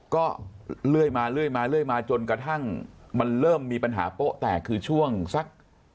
ก็เรื่อยมาจนกระทั่งมันเริ่มมีปัญหาโป๊ะแต่คือช่วงสัก